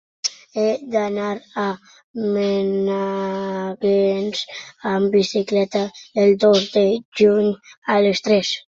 He d'anar a Menàrguens amb bicicleta el dos de juny a les tres.